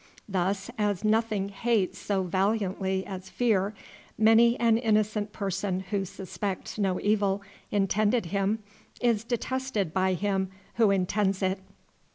Thus, as nothing hates so valiantly as fear, many an innocent person who suspects no evil intended him is detested by him who intends it.